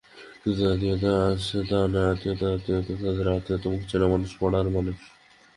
শুধু যে আত্মীয়রা আসছে তা নয়-আত্মীয়দের আত্মীয়, তাদের আত্মীয়া মুখচেনা মানুষ, পড়ার মানুষ!